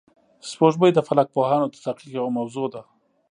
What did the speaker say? سپوږمۍ د فلک پوهانو د تحقیق یوه موضوع ده